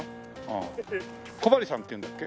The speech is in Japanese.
小針さんっていうんだっけ？